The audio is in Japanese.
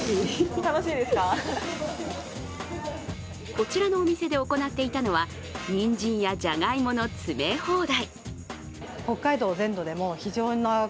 こちらのお店で行っていたのはにんじんやじゃがいもの詰め放題。